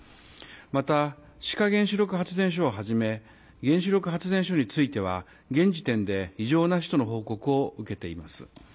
また、志賀原子力発電所をはじめ、原子力発電所については、現時点で異常なしとの報告を受けています。